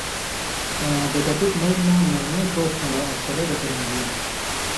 آں بېکتُک مژ مہ من٘ڑنَیں پوسٹؤں لا افسرہ گتہ رِن٘گی یان٘س۔